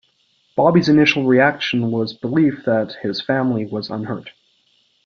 Bobby's initial reaction was relief that his family was unhurt.